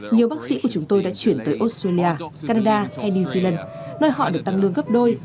nhiều bác sĩ của chúng tôi đã chuyển tới australia canada hay new zealand nơi họ được tăng lương gấp đôi